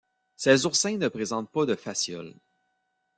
Ces oursins ne présentent pas de fasciole.